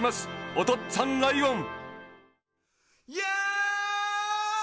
おとっつぁんライオン。